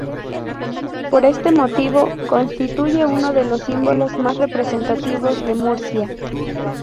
Por este motivo constituye uno de los símbolos más representativos de Murcia.